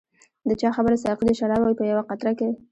د چا خبره ساقي د شرابو په یوه قطره کې.